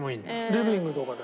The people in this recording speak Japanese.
リビングとかで。